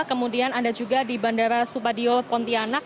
kemudian ada juga di bandara supadio pontianak